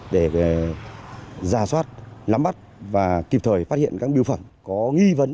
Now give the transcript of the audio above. để ra soát lắm bắt và kịp thời phát hiện các biểu phẩm có nghi vấn